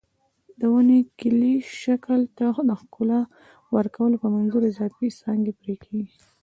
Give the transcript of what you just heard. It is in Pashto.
د ونې کلي شکل ته د ښکلا ورکولو په منظور اضافي څانګې پرې کېږي.